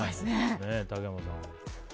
竹山さん。